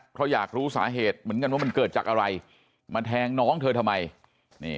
เพราะอยากรู้สาเหตุเหมือนกันว่ามันเกิดจากอะไรมาแทงน้องเธอทำไม